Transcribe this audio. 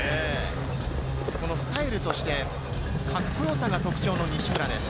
スタイルとしてカッコよさが特徴の西村です。